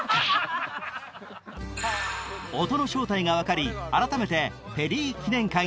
音の正体が分かり改めてペリー。